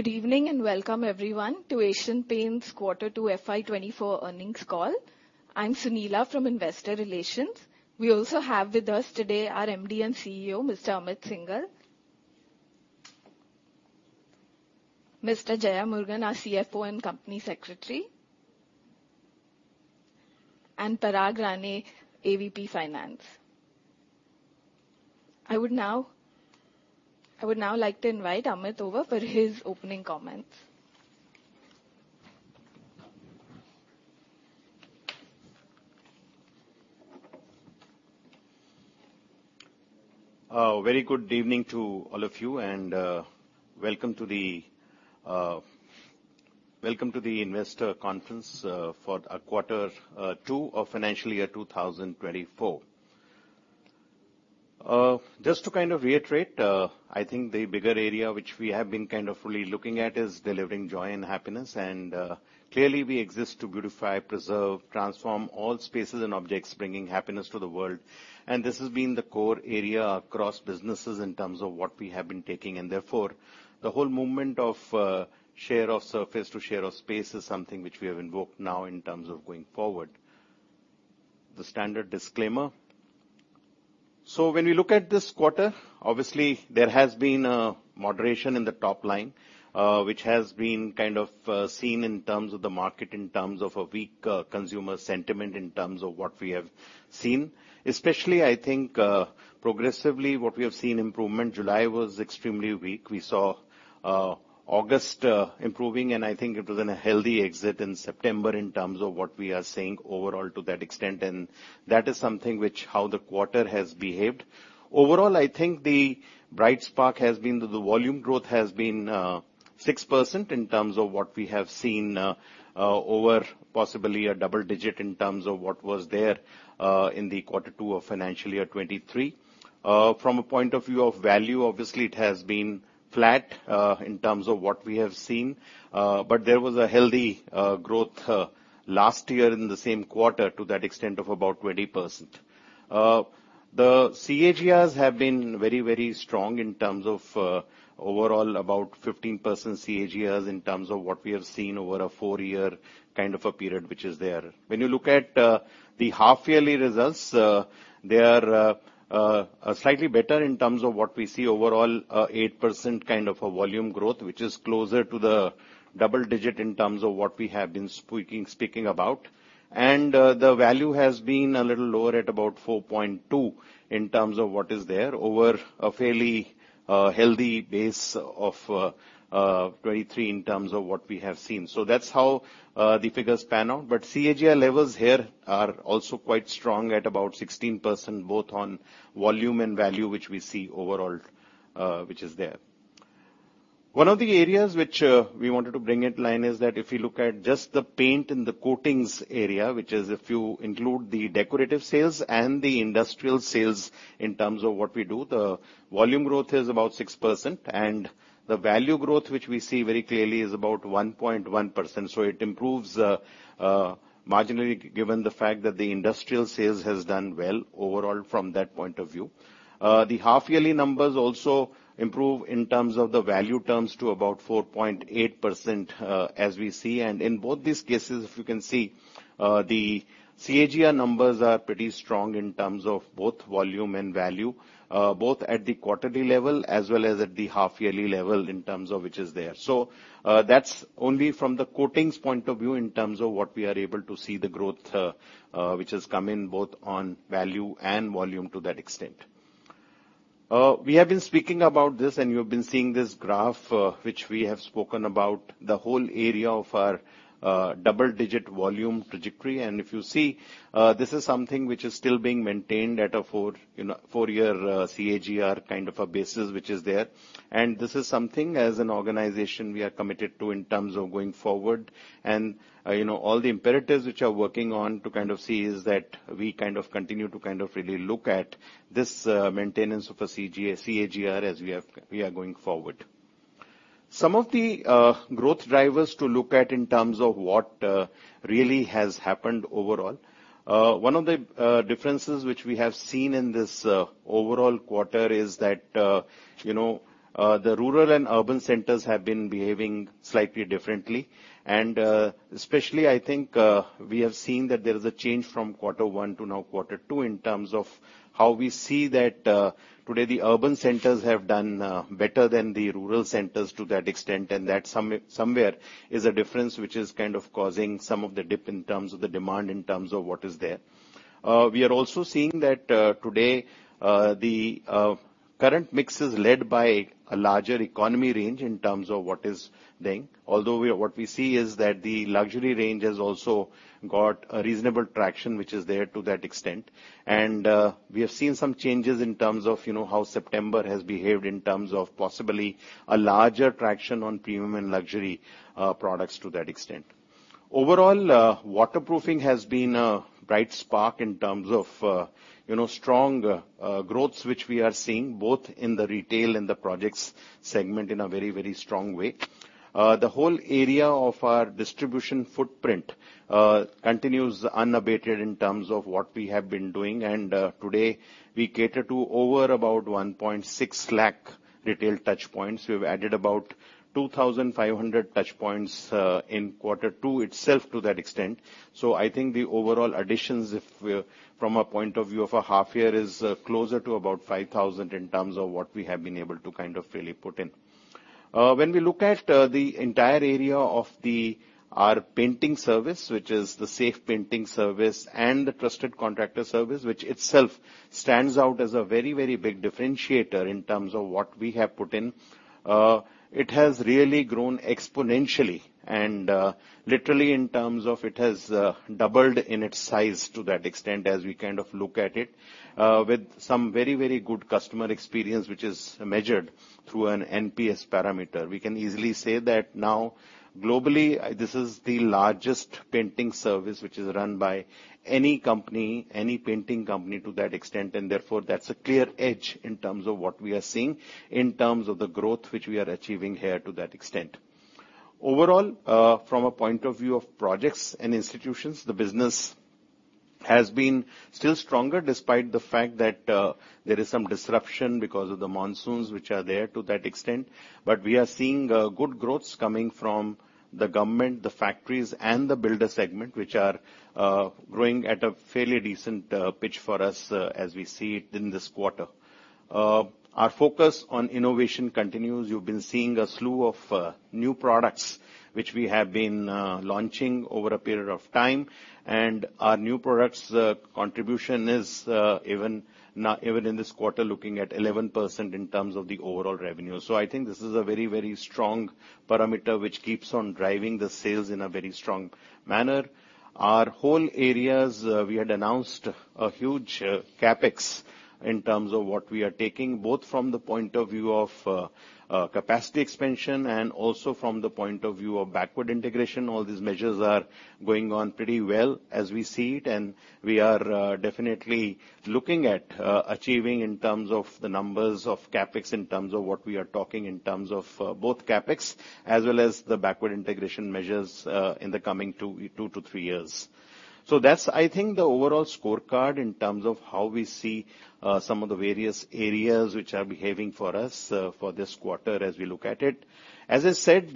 Good evening, and welcome everyone to Asian Paints Quarter Two FY 2024 Earnings Call. I'm Sunila from Investor Relations. We also have with us today our MD and CEO, Mr. Amit Syngle; Mr. R.J. Jeyamurugan, our CFO and Company Secretary; and Parag Rane, AVP Finance. I would now like to invite Amit over for his opening comments. Very good evening to all of you, and welcome to the Investor Conference for Our Quarter Two of Financial Year 2024. Just to kind of reiterate, I think the bigger area which we have been kind of really looking at is delivering joy and happiness. Clearly, we exist to beautify, preserve, transform all spaces and objects, bringing happiness to the world. This has been the core area across businesses in terms of what we have been taking, and therefore, the whole movement of share of surface to share of space is something which we have invoked now in terms of going forward. The standard disclaimer. So when we look at this quarter, obviously, there has been a moderation in the top line, which has been kind of seen in terms of the market, in terms of a weak consumer sentiment, in terms of what we have seen. Especially, I think, progressively, what we have seen improvement, July was extremely weak. We saw August improving, and I think it was in a healthy exit in September in terms of what we are seeing overall to that extent, and that is something which how the quarter has behaved. Overall, I think the bright spark has been that the volume growth has been 6% in terms of what we have seen, over possibly a double-digit in terms of what was there, in the quarter two of financial year 2023. From a point of view of value, obviously, it has been flat, in terms of what we have seen, but there was a healthy growth last year in the same quarter to that extent of about 20%. The CAGRs have been very, very strong in terms of overall, about 15% CAGRs, in terms of what we have seen over a four-year kind of a period, which is there. When you look at the half-yearly results, they are slightly better in terms of what we see overall, 8% kind of a volume growth, which is closer to the double-digit in terms of what we have been speaking about. The value has been a little lower at about 4.2 in terms of what is there over a fairly healthy base o f 23 in terms of what we have seen. So that's how the figures pan out. But CAGR levels here are also quite strong at about 16%, both on volume and value, which we see overall, which is there. One of the areas which we wanted to bring in line is that if you look at just the paint and the coatings area, which is if you include the decorative sales and the industrial sales, in terms of what we do, the volume growth is about 6%, and the value growth, which we see very clearly, is about 1.1%. So it improves marginally, given the fact that the industrial sales has done well overall from that point of view. The half-yearly numbers also improve in terms of the value terms to about 4.8%, as we see. And in both these cases, if you can see, the CAGR numbers are pretty strong in terms of both volume and value, both at the quarterly level as well as at the half-yearly level, in terms of which is there. So, that's only from the coatings point of view, in terms of what we are able to see the growth, which has come in both on value and volume to that extent. We have been speaking about this, and you have been seeing this graph, which we have spoken about, the whole area of our double-digit volume trajectory. If you see, this is something which is still being maintained at a four-year CAGR kind of a basis, which is there. This is something, as an organization, we are committed to in terms of going forward. You know, all the imperatives which are working on to kind of see is that we kind of continue to kind of really look at this, maintenance of a CAGR as we are going forward. Some of the growth drivers to look at in terms of what really has happened overall. One of the differences which we have seen in this overall quarter is that, you know, the rural and urban centers have been behaving slightly differently. And especially, I think, we have seen that there is a change from quarter one to now quarter two, in terms of how we see that, today, the urban centers have done better than the rural centers to that extent, and that somewhere is a difference which is kind of causing some of the dip in terms of the demand, in terms of what is there. We are also seeing that, today, the current mix is led by a larger economy range in terms of what is there. Although, what we see is that the luxury range has also got a reasonable traction, which is there to that extent. We have seen some changes in terms of, you know, how September has behaved in terms of possibly a larger traction on premium and luxury products to that extent. Overall, waterproofing has been a bright spark in terms of, you know, strong growth, which we are seeing both in the retail and the projects segment in a very, very strong way. The whole area of our distribution footprint continues unabated in terms of what we have been doing. Today, we cater to over about 1.6 lakh retail touchpoints. We've added about 2,500 touchpoints in quarter two itself to that extent. So I think the overall additions, if we're from a point of view of a half year, is closer to about 5,000 in terms of what we have been able to kind of really put in. When we look at the entire area of our painting service, which is the Safe Painting Service and the Trusted Contractor Service, which itself stands out as a very, very big differentiator in terms of what we have put in. It has really grown exponentially and literally in terms of it has doubled in its size to that extent, as we kind of look at it. With some very, very good customer experience, which is measured through an NPS parameter. We can easily say that now, globally, this is the largest painting service, which is run by any company, any painting company, to that extent, and therefore, that's a clear edge in terms of what we are seeing, in terms of the growth which we are achieving here to that extent. Overall, from a point of view of projects and institutions, the business has been still stronger, despite the fact that, there is some disruption because of the monsoons, which are there to that extent. But we are seeing, good growths coming from the government, the factories, and the builder segment, which are, growing at a fairly decent, pitch for us as we see it in this quarter. Our focus on innovation continues. You've been seeing a slew of new products, which we have been launching over a period of time, and our new products contribution is even, not even in this quarter, looking at 11% in terms of the overall revenue. So I think this is a very, very strong parameter, which keeps on driving the sales in a very strong manner. Our whole areas we had announced a huge CapEx in terms of what we are taking, both from the point of view of capacity expansion and also from the point of view of backward integration. All these measures are going on pretty well as we see it, and we are definitely looking at achieving in terms of the numbers of CapEx, in terms of what we are talking, in terms of both CapEx as well as the backward integration measures, in the coming two to three years. So that's, I think, the overall scorecard in terms of how we see some of the various areas which are behaving for us for this quarter as we look at it. As I said,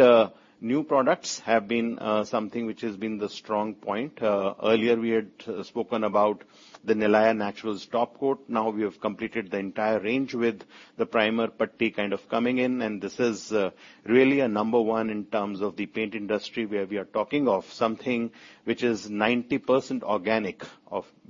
new products have been something which has been the strong point. Earlier, we had spoken about the Nilaya Naturals top coat. Now we have completed the entire range with the primer putty kind of coming in, and this is really a number one in terms of the paint industry, where we are talking of something which is 90% organic,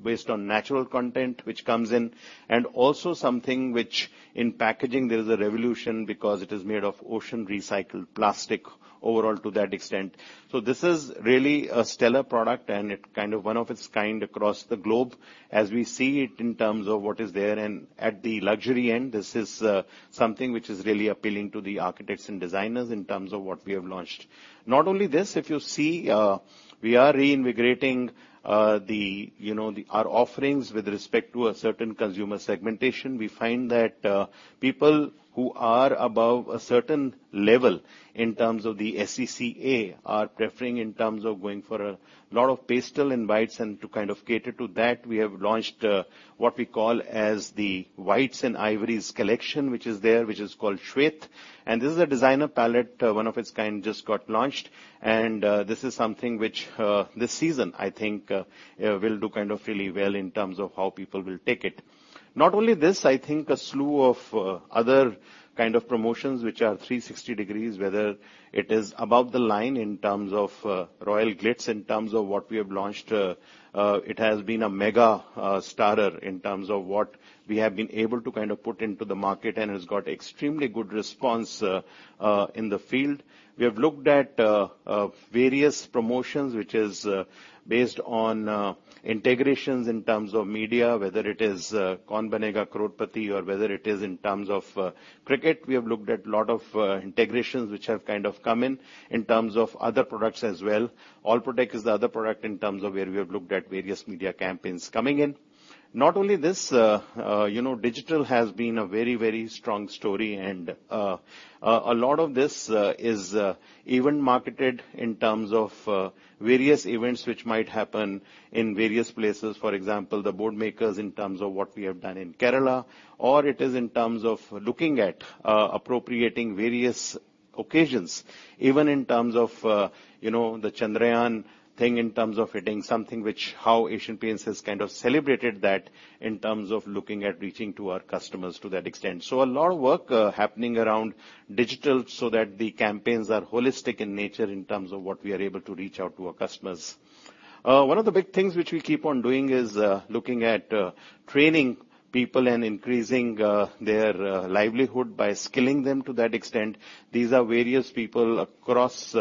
based on natural content, which comes in, and also something which, in packaging, there is a revolution because it is made of ocean recycled plastic overall to that extent. So this is really a stellar product and it kind of one of its kind across the globe as we see it in terms of what is there. And at the luxury end, this is something which is really appealing to the architects and designers in terms of what we have launched. Not only this, if you see, we are reinvigorating the, you know, our offerings with respect to a certain consumer segmentation. We find that, people who are above a certain level in terms of the SECA, are preferring in terms of going for a lot of pastel and whites, and to kind of cater to that, we have launched, what we call as the Whites and Ivories collection, which is there, which is called Shvet. And this is a designer palette, one of its kind, just got launched. And, this is something which, this season, I think, will do kind of really well in terms of how people will take it. Not only this, I think a slew of other kind of promotions, which are 360 degrees, whether it is above the line in terms of Royale Glitz, in terms of what we have launched, it has been a mega starter in terms of what we have been able to kind of put into the market, and has got extremely good response in the field. We have looked at various promotions, which is based on integrations in terms of media, whether it is Kaun Banega Crorepati, or whether it is in terms of cricket. We have looked at a lot of integrations, which have kind of come in, in terms of other products as well. All Protek is the other product in terms of where we have looked at various media campaigns coming in. Not only this, you know, digital has been a very, very strong story, and, a lot of this is even marketed in terms of various events which might happen in various places. For example, the boat makers, in terms of what we have done in Kerala, or it is in terms of looking at appropriating various occasions. Even in terms of, you know, the Chandrayaan thing, in terms of hitting something which how Asian Paints has kind of celebrated that, in terms of looking at reaching to our customers to that extent. So a lot of work happening around digital so that the campaigns are holistic in nature in terms of what we are able to reach out to our customers. One of the big things which we keep on doing is looking at training people and increasing their livelihood by skilling them to that extent. These are various people across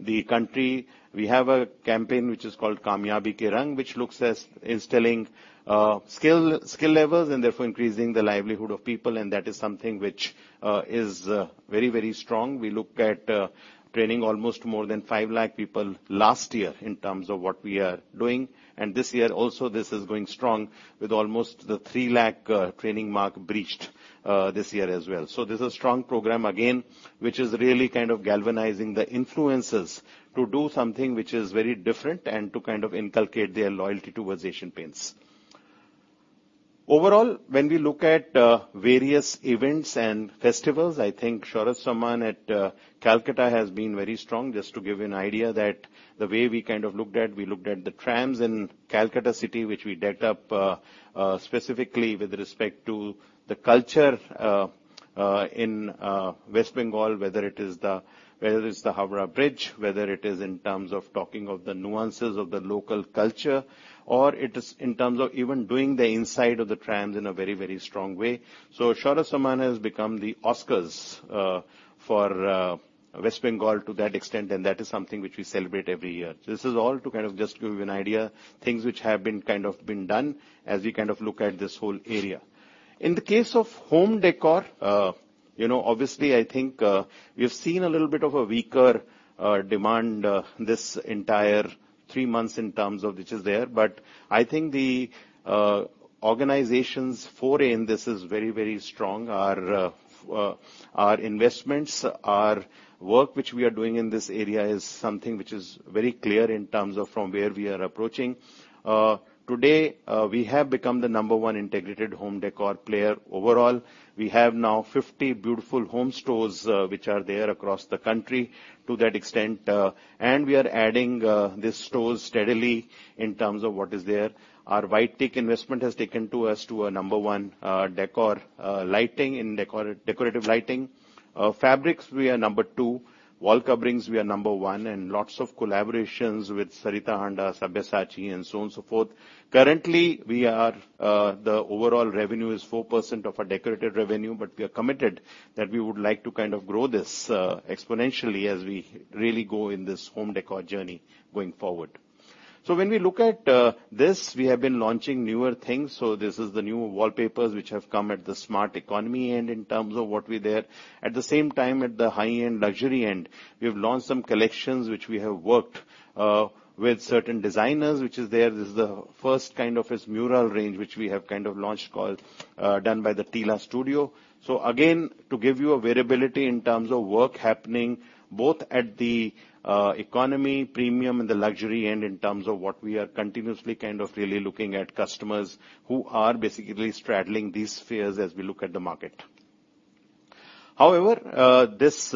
the country. We have a campaign which is called Kaamyabi Ke Rang, which looks at instilling skill levels, and therefore increasing the livelihood of people, and that is something which is very, very strong. We look at training almost more than 5 lakh people last year in terms of what we are doing. And this year also, this is going strong, with almost the 3 lakh training mark breached this year as well. So this is a strong program again, which is really kind of galvanizing the influencers to do something which is very different and to kind of inculcate their loyalty towards Asian Paints. Overall, when we look at various events and festivals, I think Sharad Shamman at Calcutta has been very strong. Just to give you an idea that the way we kind of looked at, we looked at the trams in Calcutta City, which we decked up specifically with respect to the culture in West Bengal, whether it's the Howrah Bridge, whether it is in terms of talking of the nuances of the local culture, or it is in terms of even doing the inside of the trams in a very, very strong way. So Sharad Shamman has become the Oscars for West Bengal to that extent, and that is something which we celebrate every year. This is all to kind of just give you an idea, things which have been kind of done as we kind of look at this whole area. In the case of home décor, you know, obviously, I think, we've seen a little bit of a weaker demand this entire three months in terms of which is there. But I think the organization's foray in this is very, very strong. Our investments, our work which we are doing in this area, is something which is very clear in terms of from where we are approaching. Today, we have become the number one integrated home décor player overall. We have now 50 Beautiful Homes stores, which are there across the country to that extent, and we are adding these stores steadily in terms of what is there. Our White Teak investment has taken us to number one in decorative lighting. Fabrics, we are number two. Wall coverings, we are number one, and lots of collaborations with Sarita Handa, Sabyasachi, and so on and so forth. Currently, the overall revenue is 4% of our decorative revenue, but we are committed that we would like to kind of grow this exponentially as we really go in this home decor journey going forward. So when we look at this, we have been launching newer things. So this is the new wallpapers, which have come at the smart economy, and in terms of what we're there. At the same time, at the high-end, luxury end, we have launched some collections which we have worked with certain designers, which is there. This is the first kind of its mural range, which we have kind of launched, called Done by the Tilla Studio. So again, to give you a variability in terms of work happening, both at the economy, premium, and the luxury end, in terms of what we are continuously kind of really looking at customers who are basically straddling these spheres as we look at the market. However, this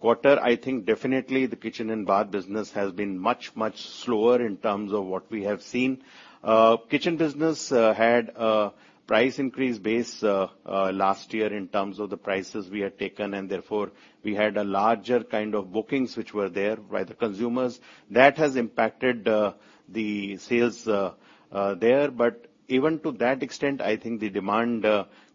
quarter, I think definitely the kitchen and bar business has been much, much slower in terms of what we have seen. Kitchen business had a price increase base last year in terms of the prices we had taken, and therefore, we had a larger kind of bookings which were there by the consumers. That has impacted the sales there. But even to that extent, I think the demand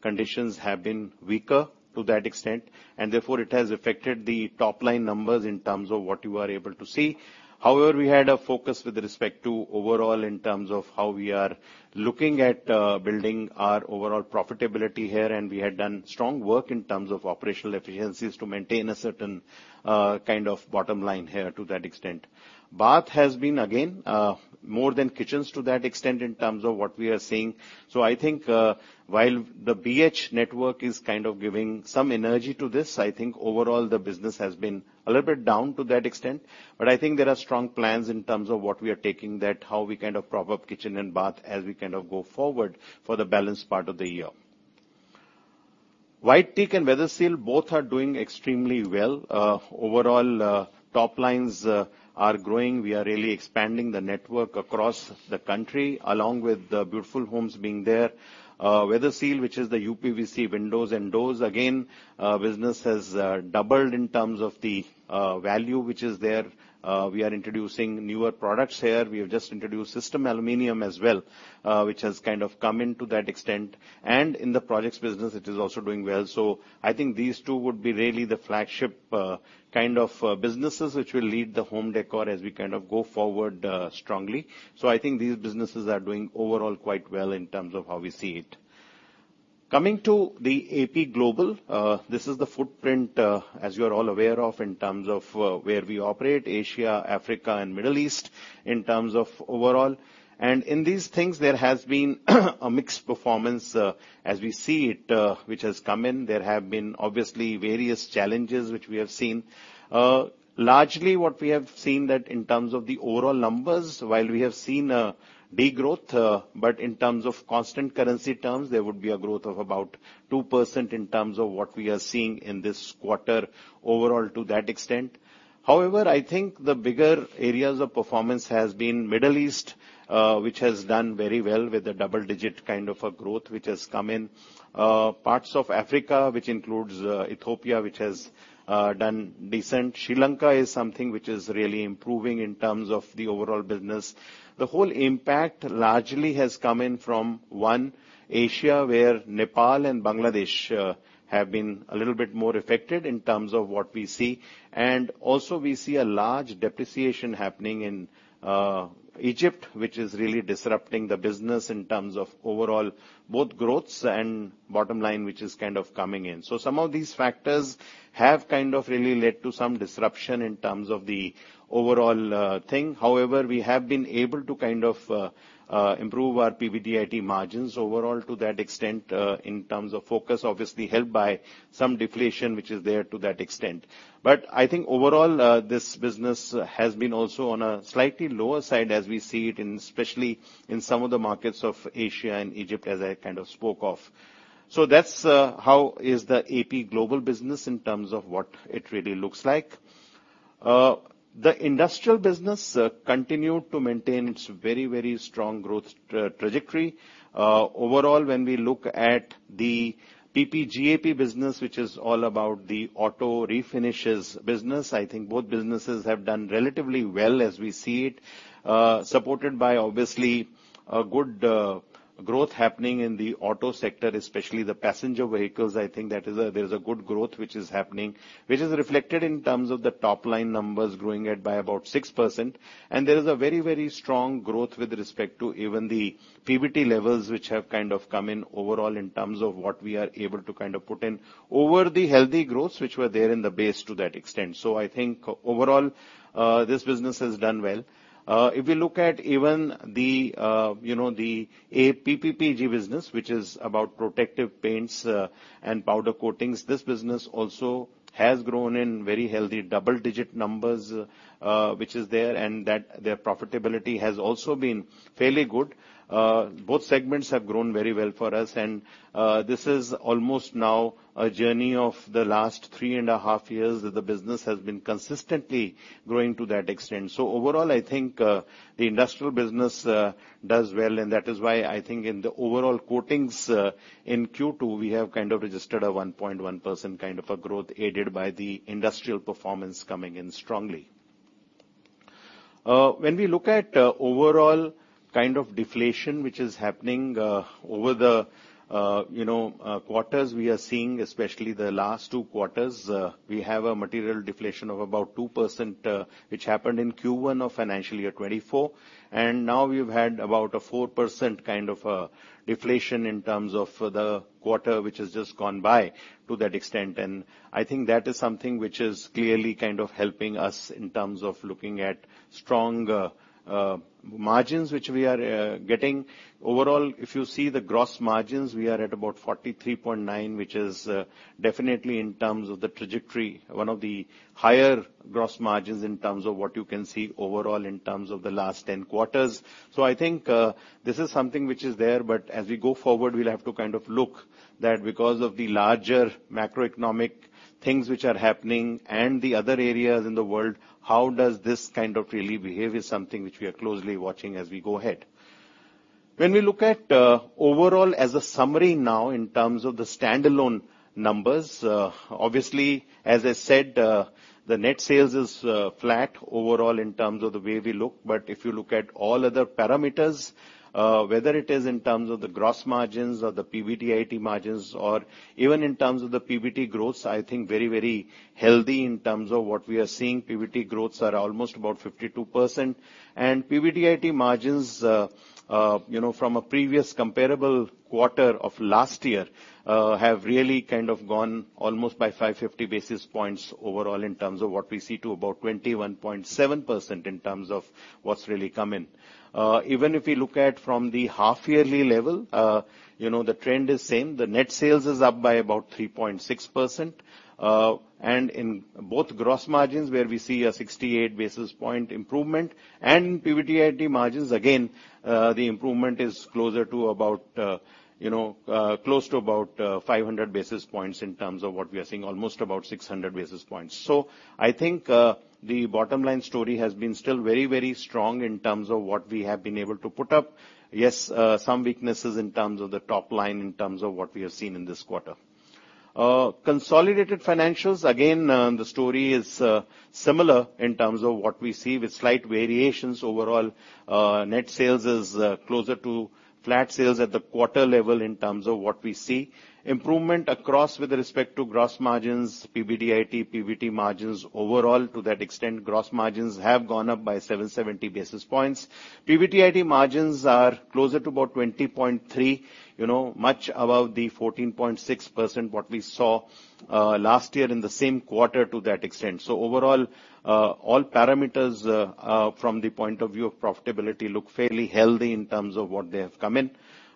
conditions have been weaker to that extent, and therefore, it has affected the top-line numbers in terms of what you are able to see. However, we had a focus with respect to overall in terms of how we are looking at building our overall profitability here, and we had done strong work in terms of operational efficiencies to maintain a certain kind of bottom line here to that extent. Bath has been, again, more than kitchens to that extent in terms of what we are seeing. So I think while the BH network is kind of giving some energy to this, I think overall, the business has been a little bit down to that extent. But I think there are strong plans in terms of what we are taking that, how we kind of prop up kitchen and bath as we kind of go forward for the balanced part of the year. Whiteteak and Weatherseal both are doing extremely well. Overall, top lines are growing. We are really expanding the network across the country, along with the Beautiful Homes being there. Weatherseal, which is the uPVC windows and doors, again, business has doubled in terms of the value which is there. We are introducing newer products here. We have just introduced system aluminum as well, which has kind of come in to that extent, and in the projects business, it is also doing well. So I think these two would be really the flagship, kind of, businesses which will lead the home decor as we kind of go forward, strongly. So I think these businesses are doing overall quite well in terms of how we see it. Coming to the AP Global, this is the footprint, as you are all aware of, in terms of where we operate, Asia, Africa, and Middle East, in terms of overall. And in these things, there has been a mixed performance, as we see it, which has come in. There have been, obviously, various challenges which we have seen. Largely, what we have seen that in terms of the overall numbers, while we have seen a degrowth, but in terms of constant currency terms, there would be a growth of about 2% in terms of what we are seeing in this quarter overall to that extent. However, I think the bigger areas of performance has been Middle East, which has done very well with a double-digit kind of a growth, which has come in. Parts of Africa, which includes, Ethiopia, which has, done decent. Sri Lanka is something which is really improving in terms of the overall business. The whole impact largely has come in from, one, Asia, where Nepal and Bangladesh, have been a little bit more affected in terms of what we see. Also, we see a large depreciation happening in Egypt, which is really disrupting the business in terms of overall both growths and bottom line, which is kind of coming in. Some of these factors have kind of really led to some disruption in terms of the overall thing. However, we have been able to kind of improve our PBDIT margins overall to that extent, in terms of focus, obviously, helped by some deflation, which is there to that extent. But I think overall, this business has been also on a slightly lower side as we see it, in especially in some of the markets of Asia and Egypt, as I kind of spoke of. So that's how the AP Global business in terms of what it really looks like. The industrial business continued to maintain its very, very strong growth trajectory. Overall, when we look at the PPG AP business, which is all about the auto refinishes business, I think both businesses have done relatively well as we see it, supported by obviously a good growth happening in the auto sector, especially the passenger vehicles. I think there's a good growth which is happening, which is reflected in terms of the top line numbers growing at by about 6%. And there is a very, very strong growth with respect to even the PBT levels, which have kind of come in overall in terms of what we are able to kind of put in over the healthy growths, which were there in the base to that extent. So I think overall, this business has done well. If we look at even the, you know, the AP PPG business, which is about protective paints and powder coatings, this business also has grown in very healthy double-digit numbers, which is there, and that their profitability has also been fairly good. Both segments have grown very well for us, and this is almost now a journey of the last 3.5 years, that the business has been consistently growing to that extent. So overall, I think the industrial business does well, and that is why I think in the overall coatings in Q2, we have kind of registered a 1.1% kind of a growth, aided by the industrial performance coming in strongly. When we look at overall kind of deflation, which is happening over the, you know, quarters we are seeing, especially the last two quarters, we have a material deflation of about 2%, which happened in Q1 of financial year 2024. Now we've had about a 4% kind of deflation in terms of the quarter, which has just gone by to that extent. I think that is something which is clearly kind of helping us in terms of looking at strong margins, which we are getting. Overall, if you see the gross margins, we are at about 43.9%, which is definitely in terms of the trajectory, one of the higher gross margins in terms of what you can see overall in terms of the last 10 quarters. So I think, this is something which is there, but as we go forward, we'll have to kind of look that because of the larger macroeconomic things which are happening and the other areas in the world, how does this kind of really behave is something which we are closely watching as we go ahead. When we look at, overall, as a summary now, in terms of the standalone numbers, obviously, as I said, the net sales is, flat overall in terms of the way we look. But if you look at all other parameters, whether it is in terms of the gross margins or the PBDIT margins or even in terms of the PBT growth, I think very, very healthy in terms of what we are seeing. PBT growths are almost about 52%. PBDIT margins, you know, from a previous comparable quarter of last year, have really kind of gone almost by 550 basis points overall in terms of what we see to about 21.7% in terms of what's really come in. Even if we look at from the half-yearly level, you know, the trend is same. The net sales is up by about 3.6%, and in both gross margins, where we see a 68 basis point improvement and PBDIT margins, again, the improvement is closer to about, you know, close to about, 500 basis points in terms of what we are seeing, almost about 600 basis points. So I think, the bottom line story has been still very, very strong in terms of what we have been able to put up. Yes, some weaknesses in terms of the top line, in terms of what we have seen in this quarter. Consolidated financials, again, the story is, similar in terms of what we see with slight variations overall. Net sales is, closer to flat sales at the quarter level in terms of what we see. Improvement across with respect to gross margins, PBDIT, PBT margins overall, to that extent, gross margins have gone up by 770 basis points. PBDIT margins are closer to about 20.3%, you know, much above the 14.6%, what we saw last year in the same quarter to that extent. So overall, all parameters, from the point of view of profitability look fairly healthy in terms of what they have come in.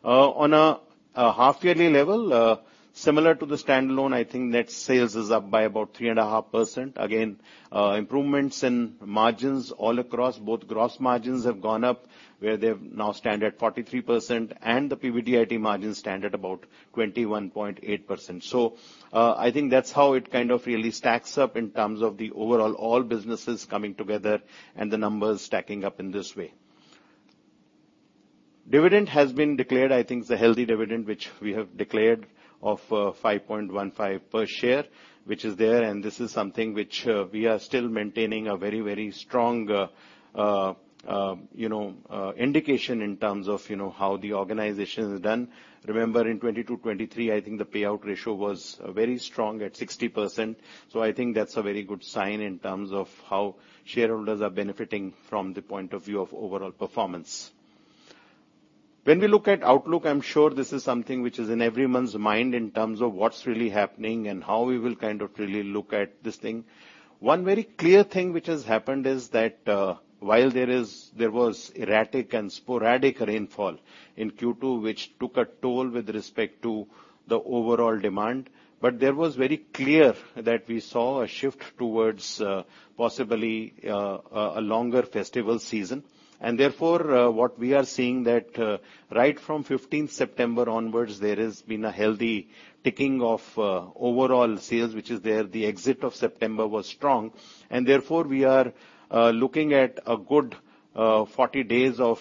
On a half-yearly level, similar to the standalone, I think net sales is up by about 3.5%. Again, improvements in margins all across, both gross margins have gone up, where they now stand at 43%, and the PBDIT margins stand at about 21.8%. So, I think that's how it kind of really stacks up in terms of the overall all businesses coming together and the numbers stacking up in this way. Dividend has been declared. I think it's a healthy dividend, which we have declared of 5.15 per share, which is there, and this is something which we are still maintaining a very, very strong, you know, indication in terms of, you know, how the organization has done. Remember, in 2022, 2023, I think the payout ratio was very strong at 60%. So I think that's a very good sign in terms of how shareholders are benefiting from the point of view of overall performance. When we look at outlook, I'm sure this is something which is in everyone's mind in terms of what's really happening and how we will kind of really look at this thing. One very clear thing which has happened is that while there was erratic and sporadic rainfall in Q2, which took a toll with respect to the overall demand, but there was very clear that we saw a shift towards possibly a longer festival season. And therefore, what we are seeing that right from fifteenth September onwards, there has been a healthy ticking of overall sales, which is there. The exit of September was strong, and therefore, we are looking at a good 40 days of,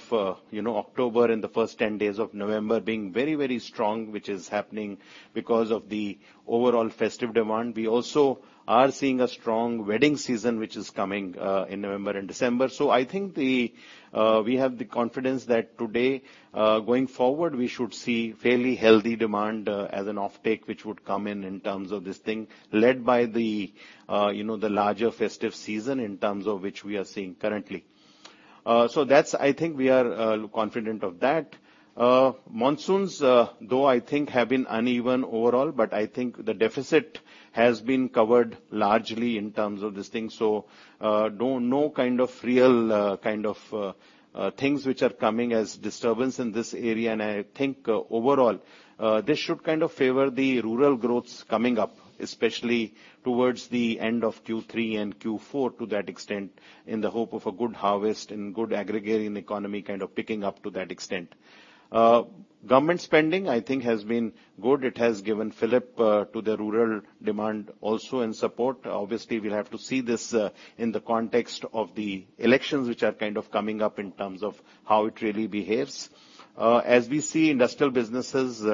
you know, October and the first 10 days of November being very, very strong, which is happening because of the overall festive demand. We also are seeing a strong wedding season, which is coming in November and December. So I think we have the confidence that today going forward, we should see fairly healthy demand as an offtake, which would come in, in terms of this thing, led by the, you know, the larger festive season in terms of which we are seeing currently. So that's. I think we are confident of that. Monsoons though I think have been uneven overall, but I think the deficit has been covered largely in terms of this thing. So, no kind of real things which are coming as disturbance in this area. I think, overall, this should kind of favor the rural growths coming up, especially towards the end of Q3 and Q4, to that extent, in the hope of a good harvest and good agrarian economy kind of picking up to that extent. Government spending, I think, has been good. It has given fillip to the rural demand also in support. Obviously, we'll have to see this in the context of the elections, which are kind of coming up in terms of how it really behaves. As we see, industrial businesses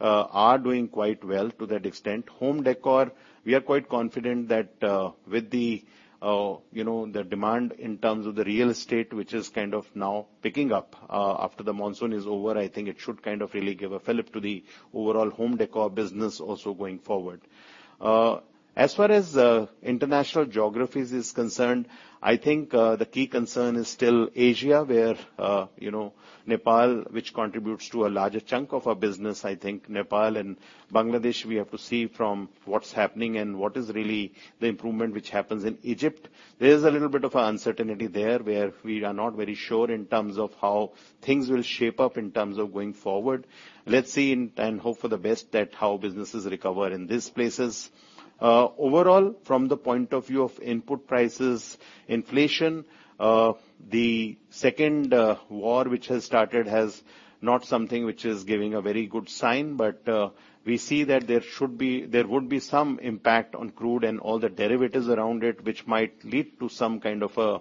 are doing quite well to that extent. Home decor, we are quite confident that, with the, you know, the demand in terms of the real estate, which is kind of now picking up, after the monsoon is over, I think it should kind of really give a fillip to the overall home decor business also going forward. As far as international geographies is concerned, I think the key concern is still Asia, where, you know, Nepal, which contributes to a larger chunk of our business, I think Nepal and Bangladesh, we have to see from what's happening and what is really the improvement which happens in Egypt. There is a little bit of uncertainty there, where we are not very sure in terms of how things will shape up in terms of going forward. Let's see and hope for the best at how businesses recover in these places. Overall, from the point of view of input prices, inflation, the second war, which has started, has not something which is giving a very good sign, but we see that there should be, there would be some impact on crude and all the derivatives around it, which might lead to some kind of a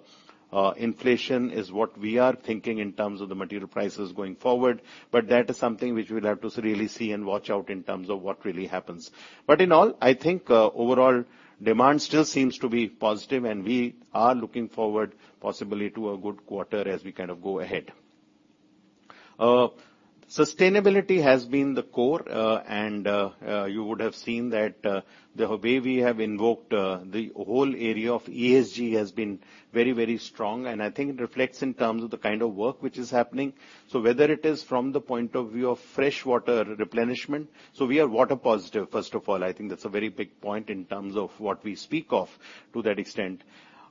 inflation, is what we are thinking in terms of the material prices going forward. But that is something which we'll have to really see and watch out in terms of what really happens. But in all, I think overall, demand still seems to be positive, and we are looking forward possibly to a good quarter as we kind of go ahead. Sustainability has been the core, and you would have seen that the way we have invoked the whole area of ESG has been very, very strong, and I think it reflects in terms of the kind of work which is happening. So whether it is from the point of view of freshwater replenishment, so we are water positive, first of all. I think that's a very big point in terms of what we speak of to that extent.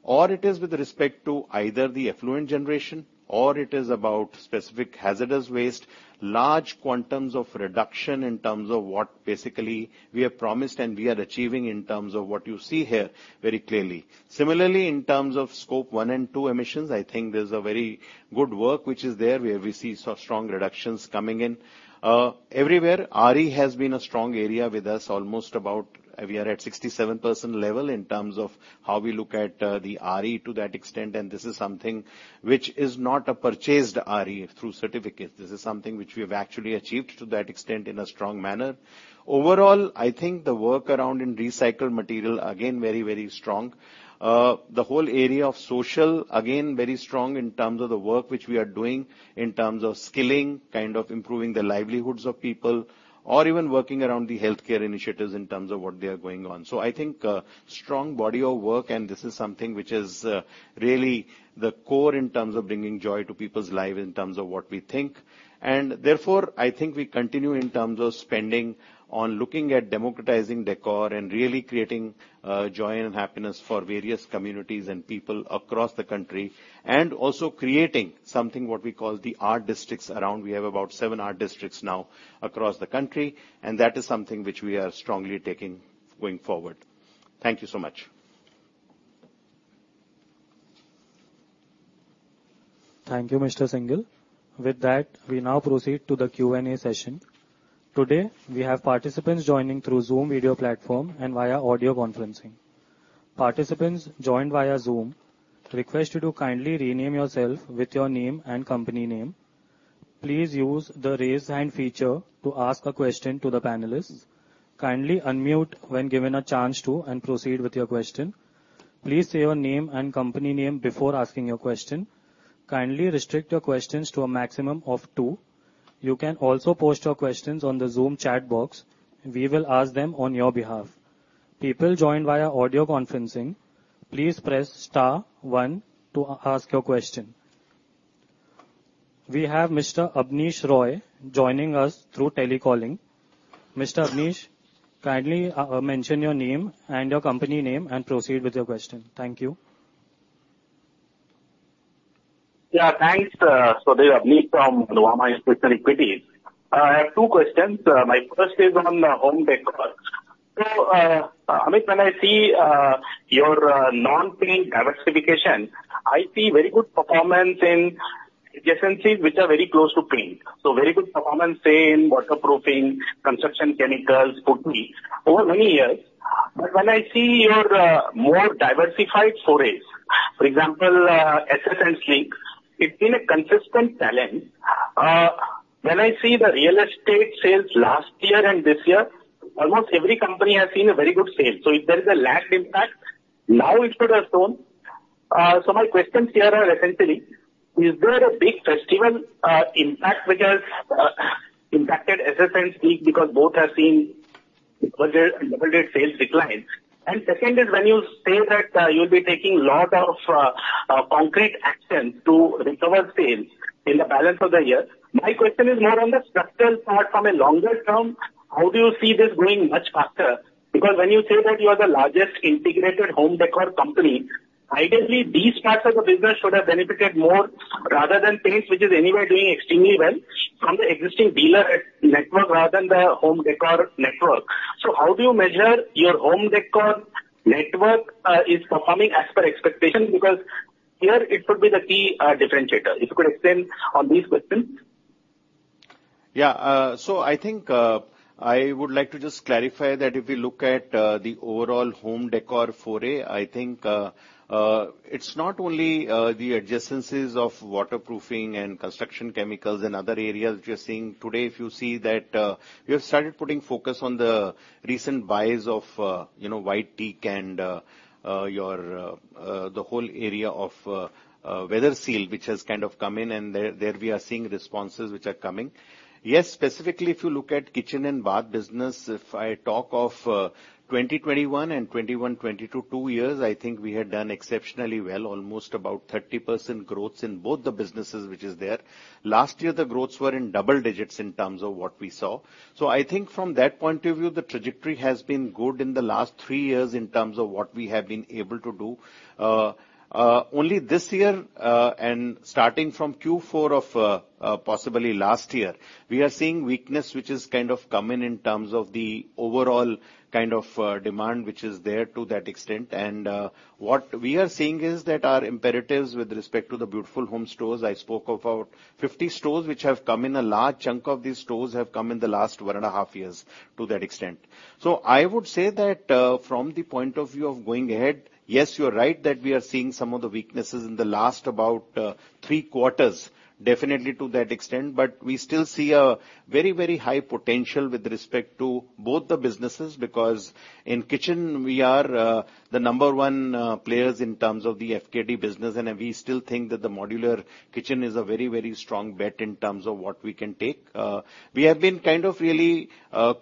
Or it is with respect to either the effluent generation, or it is about specific hazardous waste, large quantums of reduction in terms of what basically we have promised and we are achieving in terms of what you see here very clearly. Similarly, in terms of scope one and two emissions, I think there's a very good work which is there, where we see so strong reductions coming in. Everywhere, RE has been a strong area with us, almost about, we are at 67% level in terms of how we look at, the RE to that extent, and this is something which is not a purchased RE through certificates. This is something which we have actually achieved to that extent in a strong manner. Overall, I think the work around in recycled material, again, very, very strong. The whole area of social, again, very strong in terms of the work which we are doing, in terms of skilling, kind of improving the livelihoods of people, or even working around the healthcare initiatives in terms of what they are going on. So I think, strong body of work, and this is something which is, really the core in terms of bringing joy to people's lives, in terms of what we think. And therefore, I think we continue in terms of spending on looking at democratizing decor and really creating, joy and happiness for various communities and people across the country, and also creating something what we call the Art Districts around. We have about seven Art Districts now across the country, and that is something which we are strongly taking going forward. Thank you so much. Thank you, Mr. Syngle. With that, we now proceed to the Q&A session. Today, we have participants joining through Zoom video platform and via audio conferencing. Participants joined via Zoom, request you to kindly rename yourself with your name and company name. Please use the Raise Hand feature to ask a question to the panelists. Kindly unmute when given a chance to, and proceed with your question. Please say your name and company name before asking your question. Kindly restrict your questions to a maximum of two. You can also post your questions on the Zoom chat box. We will ask them on your behalf. People joined via audio conferencing, please press star one to ask your question. We have Mr. Abneesh Roy joining us through telecalling. Mr. Abneesh, kindly, mention your name and your company name, and proceed with your question. Thank you. Yeah, thanks, so this is Abneesh from Nuvama Investment Equity. I have two questions. My first is on the home décor. So, Amit, when I see your non-paint diversification, I see very good performance in adjacencies which are very close to paint. So very good performance in waterproofing, construction, chemicals, putty over many years. But when I see your more diversified forays, for example, Asian and Sleek, it's been a consistent challenge. When I see the real estate sales last year and this year, almost every company has seen a very good sale. So if there is a lag impact, now it should have shown. So my questions here are essentially, is there a big festival impact which has impacted Asian Sleek, because both have seen double- and double-digit sales declines? And second is, when you say that, you'll be taking a lot of concrete action to recover sales in the balance of the year, my question is more on the structural part. From a longer term, how do you see this growing much faster? Because when you say that you are the largest integrated home décor company, ideally, these parts of the business should have benefited more, rather than paints, which is anyway doing extremely well from the existing dealer network rather than the home décor network. So how do you measure your home décor network is performing as per expectation? Because here it could be the key differentiator. If you could explain on these questions. Yeah. So I think I would like to just clarify that if we look at the overall home decor foray, I think it's not only the adjacencies of waterproofing and construction chemicals and other areas which we are seeing today. If you see that, we have started putting focus on the recent buys of, you know, Whiteteak and the whole area of Weatherseal, which has kind of come in, and there we are seeing responses which are coming. Yes, specifically, if you look at kitchen and bath business, if I talk of 2021 and 2022, two years, I think we had done exceptionally well, almost about 30% growth in both the businesses, which is there. Last year, the growths were in double digits in terms of what we saw. So I think from that point of view, the trajectory has been good in the last three years in terms of what we have been able to do. Only this year and starting from Q4 of possibly last year, we are seeing weakness, which is kind of coming in terms of the overall kind of demand which is there to that extent. And what we are seeing is that our imperatives with respect to the Beautiful Homes stores, I spoke of about 50 stores, which have come in. A large chunk of these stores have come in the last one and a half years, to that extent. So I would say that, from the point of view of going ahead, yes, you are right that we are seeing some of the weaknesses in the last about, three quarters, definitely to that extent. But we still see a very, very high potential with respect to both the businesses, because in kitchen we are, the number one, players in terms of the FKD business, and we still think that the modular kitchen is a very, very strong bet in terms of what we can take. We have been kind of really,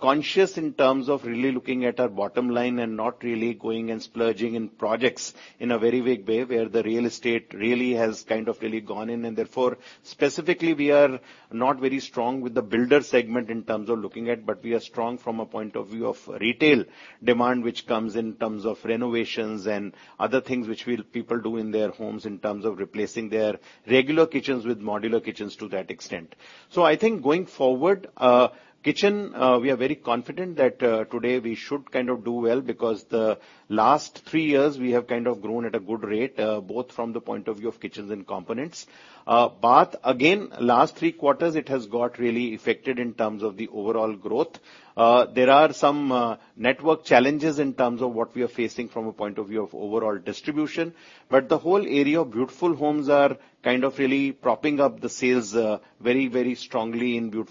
conscious in terms of really looking at our bottom line and not really going and splurging in projects in a very big way, where the real estate really has kind of really gone in. Therefore, specifically, we are not very strong with the builder segment in terms of looking at, but we are strong from a point of view of retail demand, which comes in terms of renovations and other things which will people do in their homes in terms of replacing their regular kitchens with modular kitchens to that extent. So I think going forward, kitchen, we are very confident that today we should kind of do well, because the last three years we have kind of grown at a good rate, both from the point of view of kitchens and components Bath. Again, last three quarters, it has got really affected in terms of the overall growth. There are some network challenges in terms of what we are facing from a point of view of overall distribution. But the whole area of Beautiful Homes are kind of really propping up the sales, very, very strongly in,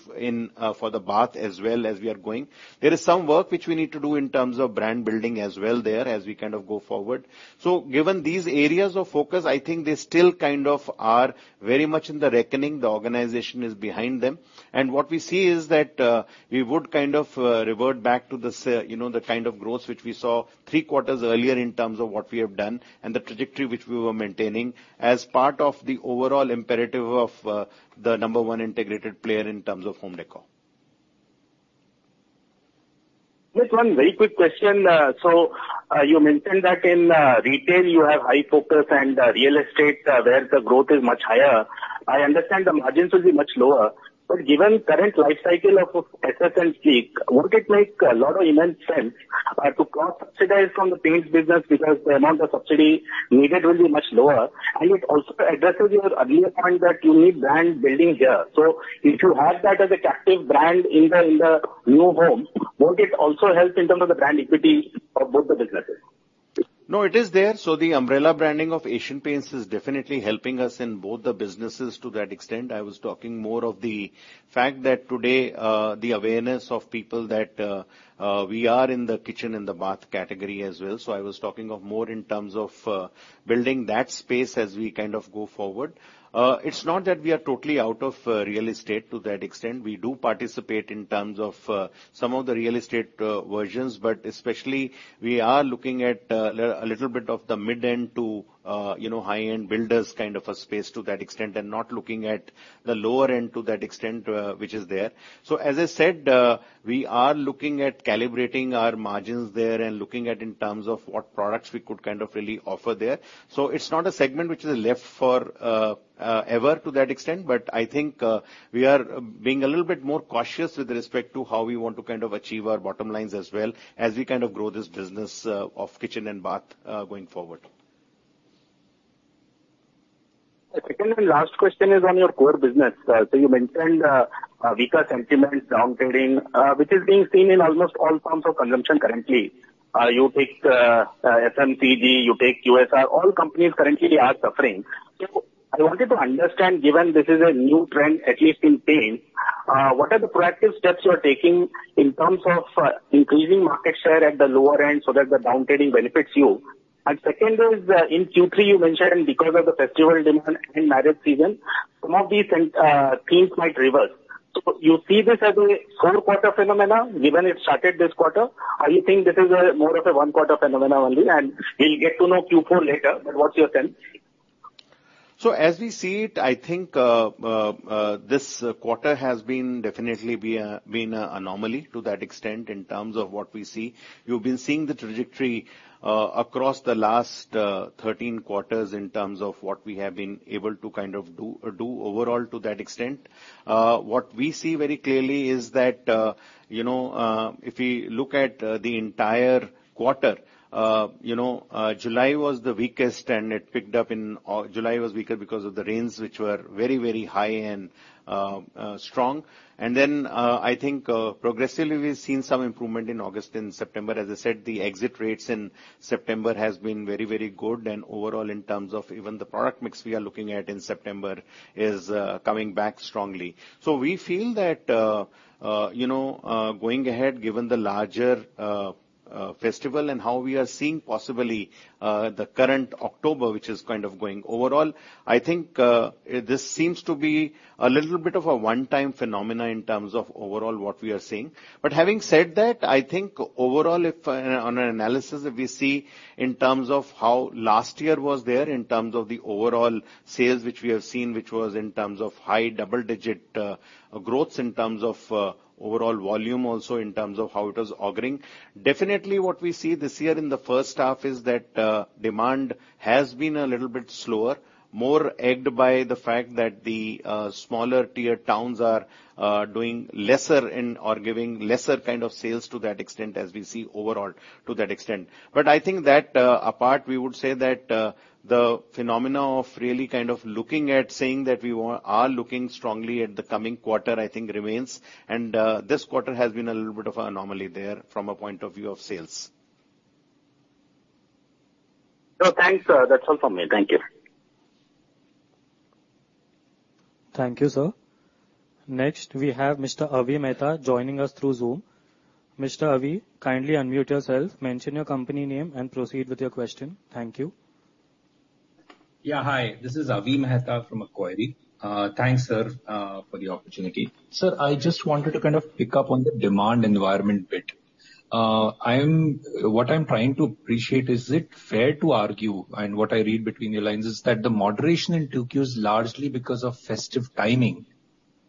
for the bath as well as we are going. There is some work which we need to do in terms of brand building as well there, as we kind of go forward. So given these areas of focus, I think they still kind of are very much in the reckoning. The organization is behind them. And what we see is that, we would kind of revert back to the, you know, the kind of growth which we saw three quarters earlier in terms of what we have done and the trajectory which we were maintaining as part of the overall imperative of the number one integrated player in terms of home décor. Just one very quick question. So, you mentioned that in retail, you have high focus and real estate, where the growth is much higher. I understand the margins will be much lower, but given current life cycle of asset and Sleek, wouldn't it make a lot of immense sense to cross-subsidize from the paints business because the amount of subsidy needed will be much lower, and it also addresses your earlier point that you need brand building here. So if you have that as a captive brand in the new home, won't it also help in terms of the brand equity of both the businesses? No, it is there. So the umbrella branding of Asian Paints is definitely helping us in both the businesses to that extent. I was talking more of the fact that today, the awareness of people that we are in the kitchen and the bath category as well. So I was talking of more in terms of building that space as we kind of go forward. It's not that we are totally out of real estate to that extent. We do participate in terms of some of the real estate versions, but especially we are looking at a little bit of the mid-end to you know, high-end builders kind of a space to that extent, and not looking at the lower end to that extent, which is there. So as I said, we are looking at calibrating our margins there and looking at in terms of what products we could kind of really offer there. So it's not a segment which is left for ever to that extent, but I think, we are being a little bit more cautious with respect to how we want to kind of achieve our bottom lines as well, as we kind of grow this business of kitchen and bath going forward. The second and last question is on your core business. So you mentioned a weaker sentiment downtrading, which is being seen in almost all forms of consumption currently. You take FMCG, you take USR, all companies currently are suffering. So I wanted to understand, given this is a new trend, at least in paint, what are the proactive steps you are taking in terms of increasing market share at the lower end so that the downtrading benefits you? And second is, in Q3, you mentioned because of the festival demand and marriage season, some of these things might reverse. So you see this as a whole quarter phenomena, given it started this quarter, or you think this is more of a one-quarter phenomena only, and we'll get to know Q4 later, but what's your sense? So as we see it, I think, this quarter has been definitely been an anomaly to that extent in terms of what we see. You've been seeing the trajectory, across the last 13 quarters in terms of what we have been able to kind of do overall to that extent. What we see very clearly is that, you know, if we look at the entire quarter, you know, July was the weakest, and it picked up in August. July was weaker because of the rains, which were very, very high and strong. And then, I think, progressively, we've seen some improvement in August and September. As I said, the exit rates in September has been very, very good, and overall, in terms of even the product mix we are looking at in September is coming back strongly. So we feel that, you know, going ahead, given the larger festival and how we are seeing possibly the current October, which is kind of going overall, I think this seems to be a little bit of a one-time phenomena in terms of overall what we are seeing. But having said that, I think overall, if on an analysis, if we see in terms of how last year was there, in terms of the overall sales which we have seen, which was in terms of high double-digit growths, in terms of overall volume, also in terms of how it was auguring. Definitely, what we see this year in the first half is that demand has been a little bit slower, more egged by the fact that the smaller tier towns are doing lesser in or giving lesser kind of sales to that extent, as we see overall to that extent. But I think that apart, we would say that the phenomena of really kind of looking at saying that we are looking strongly at the coming quarter, I think, remains, and this quarter has been a little bit of an anomaly therefrom a point of view of sales. Thanks, sir. That's all from me. Thank you. Thank you, sir. Next, we have Mr. Avi Mehta joining us through Zoom. Mr. Avi, kindly unmute yourself, mention your company name, and proceed with your question. Thank you. Yeah, hi. This is Avi Mehta from Macquarie. Thanks, sir, for the opportunity. Sir, I just wanted to kind of pick up on the demand environment bit. What I'm trying to appreciate, is it fair to argue, and what I read between the lines, is that the moderation in 2Q is largely because of festive timing,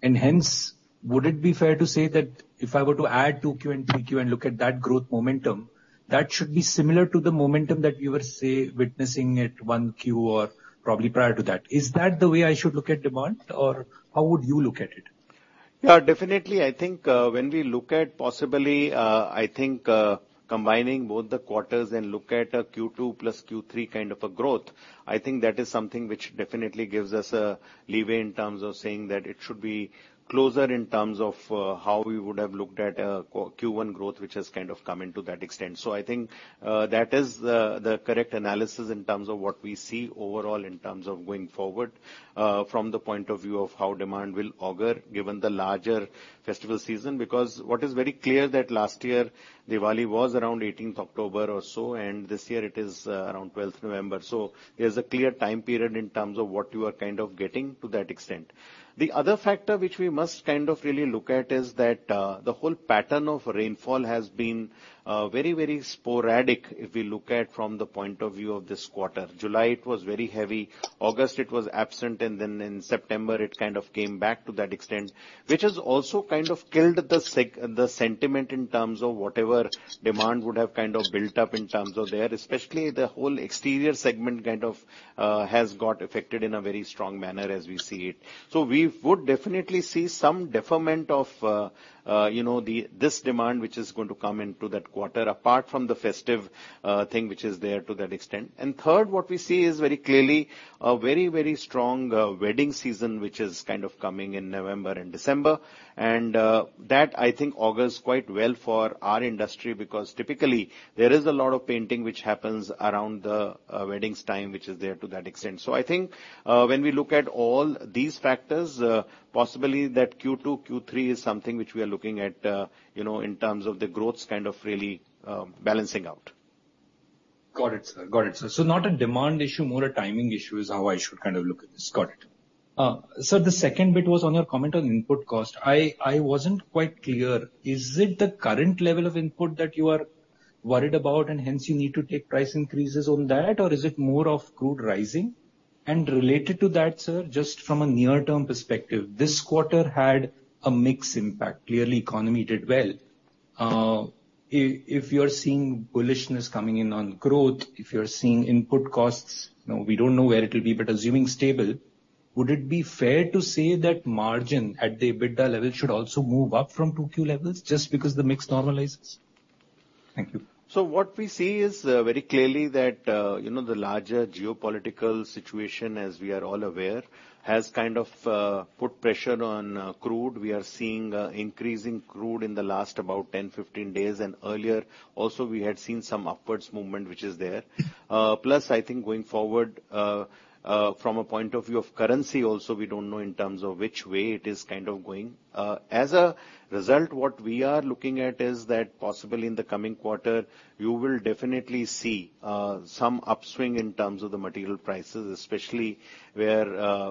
and hence, would it be fair to say that if I were to add 2Q and 3Q and look at that growth momentum, that should be similar to the momentum that you were, say, witnessing at 1Q or probably prior to that? Is that the way I should look at demand, or how would you look at it? Yeah, definitely. I think, when we look at possibly, I think, combining both the quarters and look at a Q2 plus Q3 kind of a growth, I think that is something which definitely gives us a leeway in terms of saying that it should be closer in terms of, how we would have looked at, Q1 growth, which has kind of come into that extent. So I think, that is the, the correct analysis in terms of what we see overall in terms of going forward, from the point of view of how demand will augur, given the larger festival season. Because what is very clear that last year, Diwali was around 18th October or so, and this year it is, around 12th November. So there's a clear time period in terms of what you are kind of getting to that extent. The other factor which we must kind of really look at is that, the whole pattern of rainfall has been, very, very sporadic, if we look at from the point of view of this quarter. July, it was very heavy, August, it was absent, and then in September, it kind of came back to that extent, which has also kind of killed the sentiment in terms of whatever demand would have kind of built up in terms of there, especially the whole exterior segment kind of, has got affected in a very strong manner as we see it. So we would definitely see some deferment of, you know, the, this demand, which is going to come into that quarter, apart from the festive, thing, which is there to that extent. Third, what we see is very clearly a very, very strong wedding season, which is kind of coming in November and December. That I think augurs quite well for our industry, because typically there is a lot of painting which happens around the weddings time, which is there to that extent. I think, when we look at all these factors, possibly that Q2, Q3 is something which we are looking at, you know, in terms of the growth kind of really balancing out. Got it, sir. Got it, sir. So not a demand issue, more a timing issue is how I should kind of look at this. Sir, the second bit was on your comment on input cost. I wasn't quite clear, is it the current level of input that you are worried about and hence you need to take price increases on that, or is it more of crude rising? And related to that, sir, just from a near-term perspective, this quarter had a mix impact. Clearly, economy did well. If you're seeing bullishness coming in on growth, if you're seeing input costs, you know, we don't know where it will be, but assuming stable, would it be fair to say that margin at the EBITDA level should also move up from 2Q levels just because the mix normalizes? Thank you. So what we see is, very clearly that, you know, the larger geopolitical situation, as we are all aware, has kind of, put pressure on, crude. We are seeing a increase in crude in the last about 10, 15 days, and earlier also, we had seen some upwards movement, which is there. Plus, I think going forward, from a point of view of currency also, we don't know in terms of which way it is kind of going. As a result, what we are looking at is that possibly in the coming quarter, you will definitely see, some upswing in terms of the material prices, especially where,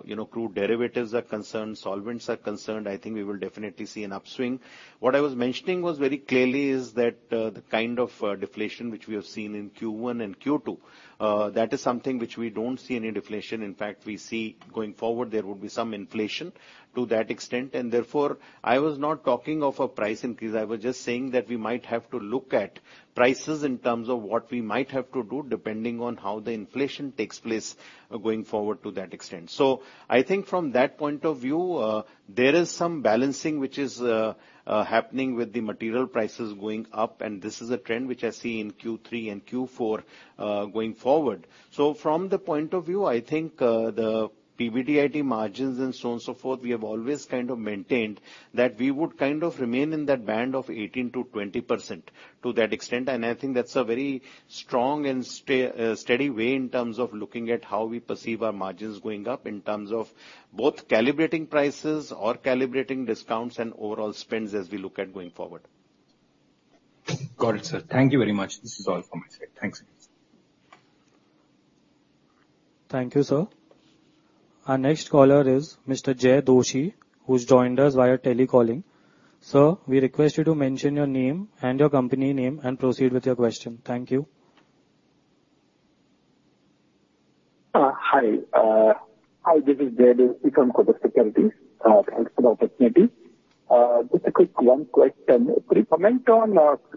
you know, crude derivatives are concerned, solvents are concerned, I think we will definitely see an upswing. What I was mentioning was very clearly is that, the kind of, deflation which we have seen in Q1 and Q2, that is something which we don't see any deflation. In fact, we see going forward, there will be some inflation to that extent, and therefore, I was not talking of a price increase. I was just saying that we might have to look at prices in terms of what we might have to do, depending on how the inflation takes place going forward to that extent. So I think from that point of view, there is some balancing which is, happening with the material prices going up, and this is a trend which I see in Q3 and Q4, going forward. So from the point of view, I think, the PBDIT margins and so on, so forth, we have always kind of maintained that we would kind of remain in that band of 18%-20% to that extent. And I think that's a very strong and steady way in terms of looking at how we perceive our margins going up, in terms of both calibrating prices or calibrating discounts and overall spends as we look at going forward. Got it, sir. Thank you very much. This is all from my side. Thanks. Thank you, sir. Our next caller is Mr. Jay Doshi, who's joined us via telecalling. Sir, we request you to mention your name and your company name and proceed with your question. Thank you. Hi, this is Jay Doshi from Kotak Securities. Thanks for the opportunity. Just a quick one question. Could you comment on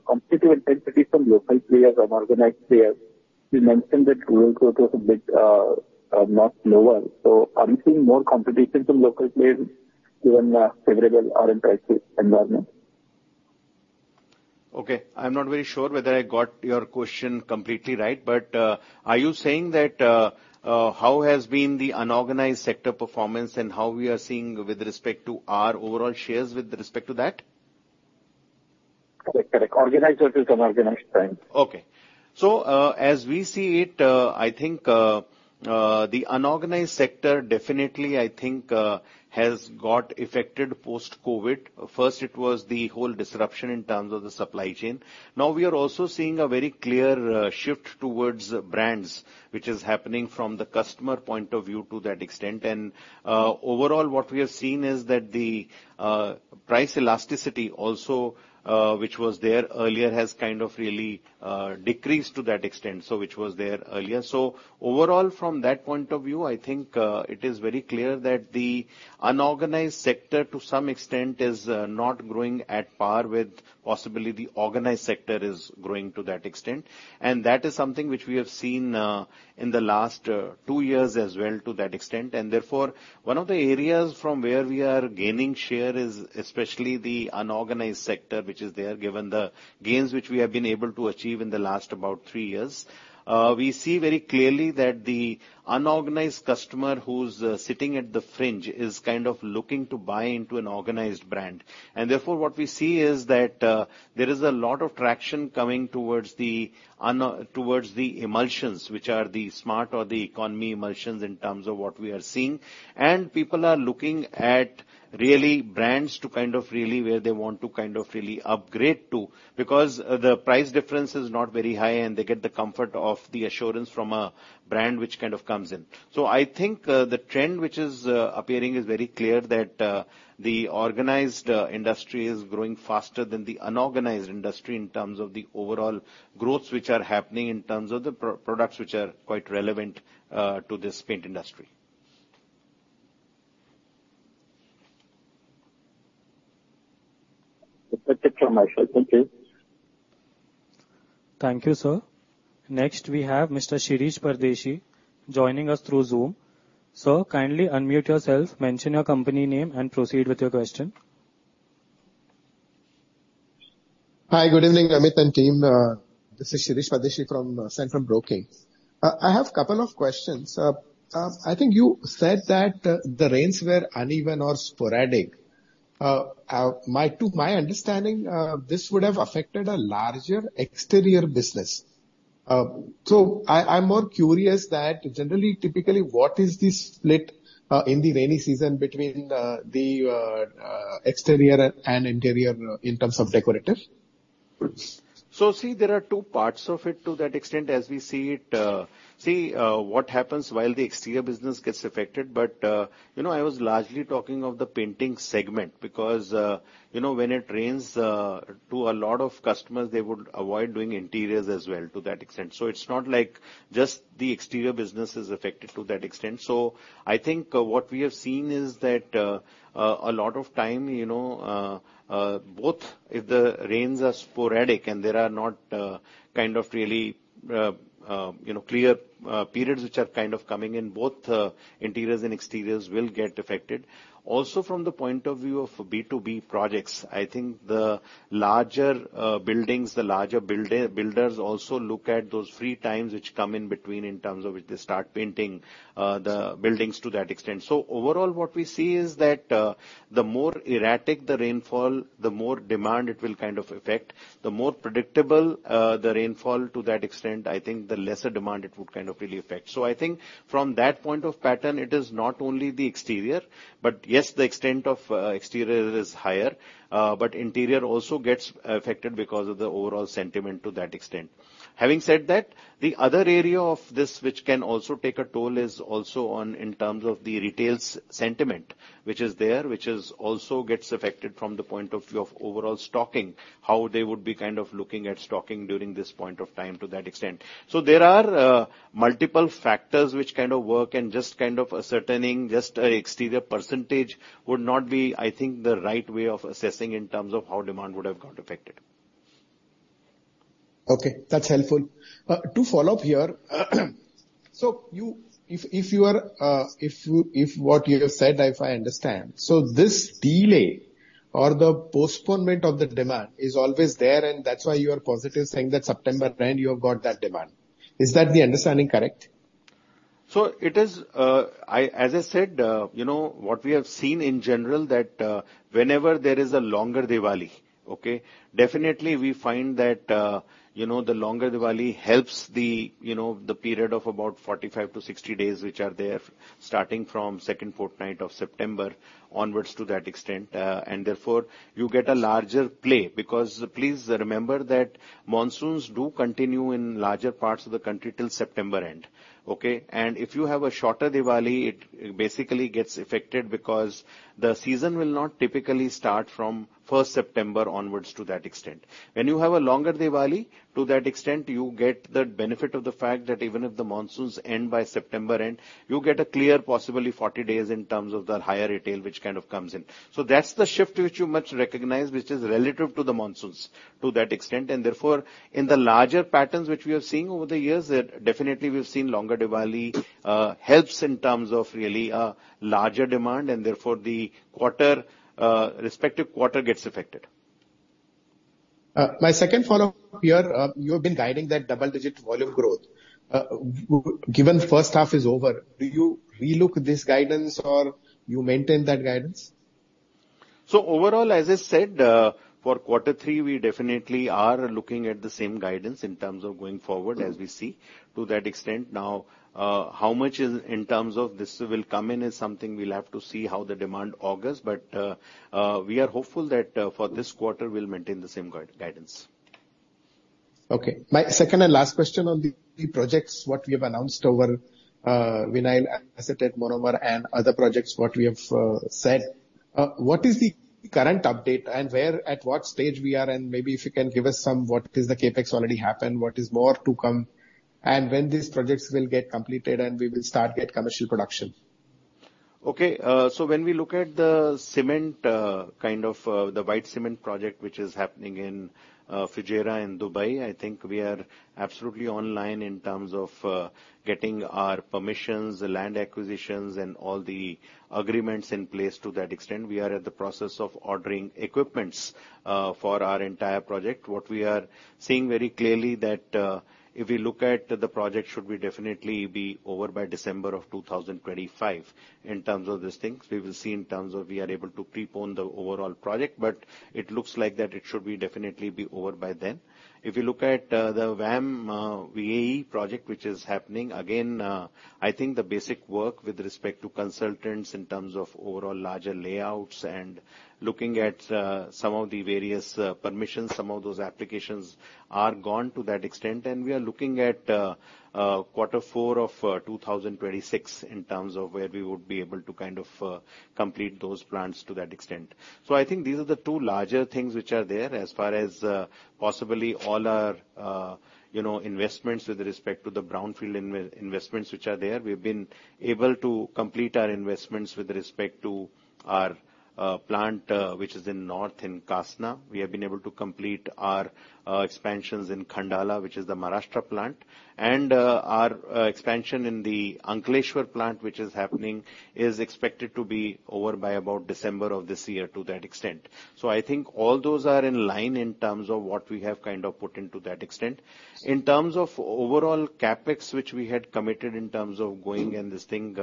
competitive intensity from local players or organized players? You mentioned that rural growth was a bit much lower. So are you seeing more competition from local players given the favorable or impressive environment? Okay, I'm not very sure whether I got your question completely right, but, are you saying that, how has been the unorganized sector performance and how we are seeing with respect to our overall shares with respect to that? Correct. Organized versus unorganized segment. Okay. So, as we see it, I think, the unorganized sector definitely, I think, has got affected post-COVID. First, it was the whole disruption in terms of the supply chain. Now, we are also seeing a very clear, shift towards brands, which is happening from the customer point of view to that extent. And, overall, what we are seeing is that the, price elasticity also, which was there earlier, has kind of really, decreased to that extent, so which was there earlier. So overall, from that point of view, I think, it is very clear that the unorganized sector, to some extent, is, not growing at par with possibly the organized sector is growing to that extent. And that is something which we have seen, in the last, two years as well, to that extent. And therefore, one of the areas from where we are gaining share is especially the unorganized sector, which is there, given the gains which we have been able to achieve in the last about three years. We see very clearly that the unorganized customer who's sitting at the fringe is kind of looking to buy into an organized brand. And therefore, what we see is that there is a lot of traction coming towards the emulsions, which are the smart or the economy emulsions in terms of what we are seeing. And people are looking at really brands to kind of really where they want to kind of really upgrade to, because the price difference is not very high, and they get the comfort of the assurance from a brand which kind of comes in. So I think, the trend which is appearing is very clear that, the organized industry is growing faster than the unorganized industry in terms of the overall growths which are happening, in terms of the products which are quite relevant, to this paint industry. That's it from my side. Thank you. Thank you, sir. Next, we have Mr. Shirish Pardeshi joining us through Zoom. Sir, kindly unmute yourself, mention your company name, and proceed with your question. Hi, good evening, Amit and team. This is Shirish Pardeshi from Centrum Broking. I have a couple of questions. I think you said that the rains were uneven or sporadic. To my understanding, this would have affected a larger exterior business. So I'm more curious that generally, typically, what is the split in the rainy season between the exterior and interior in terms of decorative?... So see, there are two parts of it to that extent, as we see it. See, what happens while the exterior business gets affected, but you know, I was largely talking of the painting segment, because you know, when it rains, to a lot of customers, they would avoid doing interiors as well to that extent. So it's not like just the exterior business is affected to that extent. So I think what we have seen is that a lot of time, you know, both if the rains are sporadic and there are not kind of really you know clear periods which are kind of coming in, both interiors and exteriors will get affected. Also from the point of view of B2B projects, I think the larger buildings, the larger builders also look at those free times which come in between, in terms of which they start painting the buildings to that extent. So overall, what we see is that the more erratic the rainfall, the more demand it will kind of affect. The more predictable the rainfall to that extent, I think, the lesser demand it would kind of really affect. So I think from that point of pattern, it is not only the exterior, but yes, the extent of exterior is higher, but interior also gets affected because of the overall sentiment to that extent. Having said that, the other area of this which can also take a toll is also on in terms of the retail's sentiment, which is there, which is also gets affected from the point of view of overall stocking, how they would be kind of looking at stocking during this point of time to that extent. So there are, multiple factors which kind of work, and just kind of ascertaining just a exterior percentage would not be, I think, the right way of assessing in terms of how demand would have got affected. Okay, that's helpful. To follow up here, so if what you have said, if I understand, so this delay or the postponement of the demand is always there, and that's why you are positive, saying that September end, you have got that demand. Is that the understanding, correct? So it is, as I said, you know, what we have seen in general, that, whenever there is a longer Diwali, okay, definitely we find that, you know, the longer Diwali helps the, you know, the period of about 45-60 days, which are there, starting from second fortnight of September onwards to that extent. And therefore, you get a larger play, because please remember that monsoons do continue in larger parts of the country till September end, okay? And if you have a shorter Diwali, it basically gets affected because the season will not typically start from first September onwards to that extent. When you have a longer Diwali, to that extent, you get the benefit of the fact that even if the monsoons end by September end, you get a clear, possibly 40 days in terms of the higher retail, which kind of comes in. So that's the shift which you must recognize, which is relative to the monsoons to that extent. And therefore, in the larger patterns which we have seen over the years, definitely we've seen longer Diwali helps in terms of really a larger demand, and therefore the quarter, respective quarter gets affected. My second follow-up here, you have been guiding that double-digit volume growth. Given first half is over, do you relook this guidance or you maintain that guidance? So overall, as I said, for quarter three, we definitely are looking at the same guidance in terms of going forward as we see. To that extent, now, how much in terms of this will come in is something we'll have to see how the demand augurs, but we are hopeful that for this quarter we'll maintain the same guidance. Okay. My second and last question on the projects, what we have announced over Vinyl Acetate Monomer and other projects, what we have said. What is the current update and where, at what stage we are? And maybe if you can give us some, what is the CapEx already happened, what is more to come, and when these projects will get completed and we will start get commercial production? Okay, so when we look at the cement, kind of, the white cement project, which is happening in, Fujairah in Dubai, I think we are absolutely online in terms of, getting our permissions, the land acquisitions, and all the agreements in place to that extent. We are at the process of ordering equipments, for our entire project. What we are seeing very clearly that, if we look at the project should be definitely be over by December of 2025. In terms of these things, we will see in terms of we are able to prepone the overall project, but it looks like that it should be definitely be over by then. If you look at the VAM, VAE project, which is happening, again, I think the basic work with respect to consultants in terms of overall larger layouts and looking at some of the various permissions, some of those applications are gone to that extent, and we are looking at quarter four of 2026 in terms of where we would be able to kind of complete those plans to that extent. So I think these are the two larger things which are there. As far as possibly all our, you know, investments with respect to the brownfield investments which are there, we've been able to complete our investments with respect to our plant which is in north, in Kasna. We have been able to complete our expansions in Khandala, which is the Maharashtra plant. And, our expansion in the Ankleshwar plant, which is happening, is expected to be over by about December of this year to that extent. So I think all those are in line in terms of what we have kind of put into that extent. In terms of overall CapEx, which we had committed in terms of going in this thing,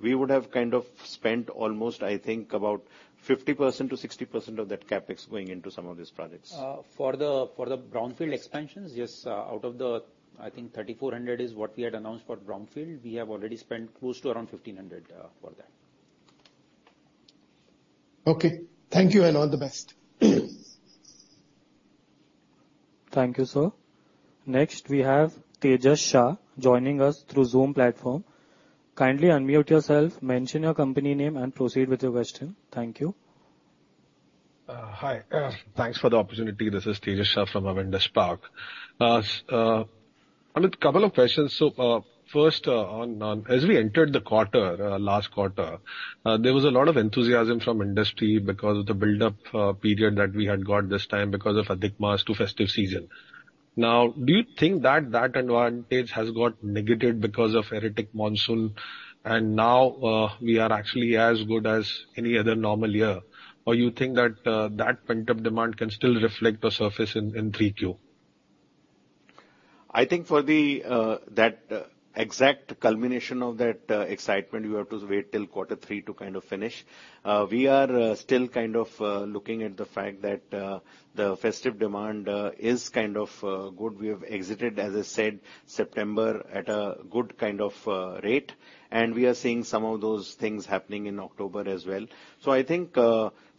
we would have kind of spent almost, I think, about 50%-60% of that CapEx going into some of these projects. For the brownfield expansions, yes, out of the, I think 3,400 is what we had announced for brownfield. We have already spent close to around 1,500 for that. Okay, thank you, and all the best. Thank you, sir. Next, we have Tejas Shah joining us through Zoom platform. Kindly unmute yourself, mention your company name, and proceed with your question. Thank you. Hi, thanks for the opportunity. This is Tejas Shah from Avendus Spark. Couple of questions. So, first, on as we entered the quarter, last quarter, there was a lot of enthusiasm from industry because of the buildup period that we had got this time because of Adhik Maas to festive season. Now, do you think that that advantage has got negated because of erratic monsoon, and now we are actually as good as any other normal year? Or you think that that pent-up demand can still reflect or surface in 3Q? I think for the exact culmination of that excitement, you have to wait till quarter three to kind of finish. We are still kind of looking at the fact that the festive demand is kind of good. We have exited, as I said, September, at a good kind of rate, and we are seeing some of those things happening in October as well. So I think,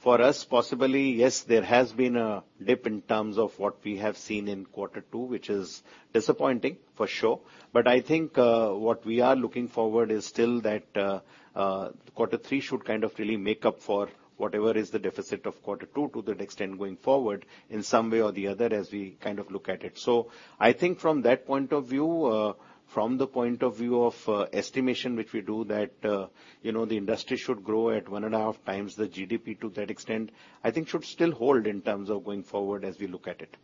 for us, possibly, yes, there has been a dip in terms of what we have seen in quarter two, which is disappointing for sure. But I think, what we are looking forward is still that, quarter three should kind of really make up for whatever is the deficit of quarter two to that extent, going forward in some way or the other, as we kind of look at it. So I think from that point of view, from the point of view of estimation, which we do, that, you know, the industry should grow at 1.5x the GDP to that extent, I think should still hold in terms of going forward as we look at it.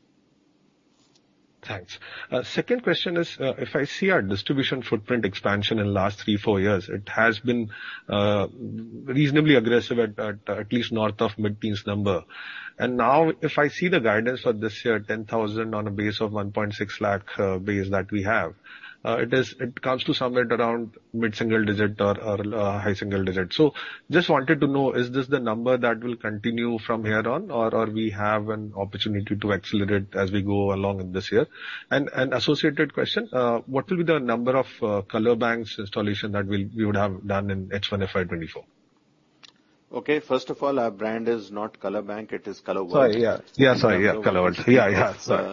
Thanks. Second question is, if I see our distribution footprint expansion in last three, four years, it has been reasonably aggressive at least north of mid-teens number. And now, if I see the guidance for this year, 10,000 on a base of 1.6 lakh base that we have, it comes to somewhere around mid-single digit or high single digit. So just wanted to know, is this the number that will continue from here on, or we have an opportunity to accelerate as we go along in this year? And associated question, what will be the number of Color Banks installation that we'll, we would have done in H1 FY 2024? Okay, first of all, our brand is not Color Bank, it is Color World. Sorry. Yeah, Color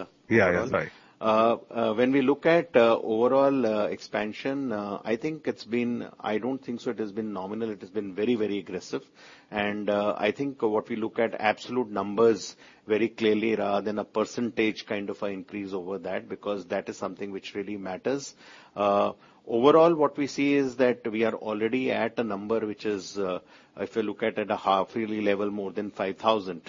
World. When we look at overall expansion, I think it's been... I don't think so it has been nominal, it has been very, very aggressive. I think what we look at absolute numbers very clearly, rather than a percentage kind of an increase over that, because that is something which really matters. Overall, what we see is that we are already at a number which is, if you look at a half yearly level, more than 5,000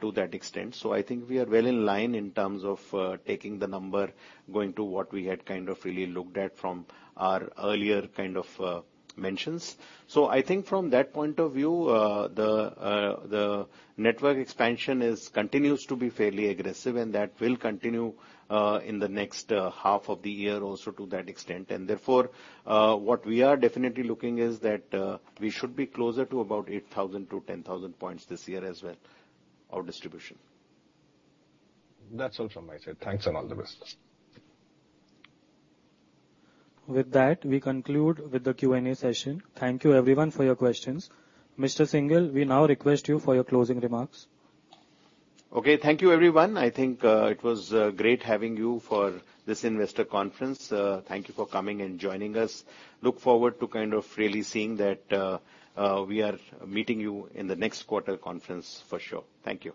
to that extent. So I think we are well in line in terms of taking the number, going to what we had kind of really looked at from our earlier kind of mentions. So I think from that point of view, the network expansion continues to be fairly aggressive, and that will continue in the next half of the year also to that extent. Therefore, what we are definitely looking is that we should be closer to about 8,000-10,000 points this year as well, our distribution. That's all from my side. Thanks and all the best. With that, we conclude with the Q&A session. Thank you everyone for your questions. Mr. Syngle, we now request you for your closing remarks. Okay, thank you, everyone. I think, it was, great having you for this investor conference. Thank you for coming and joining us. Look forward to kind of really seeing that, we are meeting you in the next quarter conference for sure. Thank you.